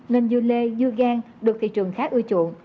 nên dưa lê dưa gan được thị trường khá ưa chuộng